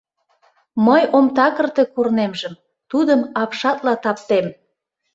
Мый ом такырте корнемжым, тудым апшатла таптем!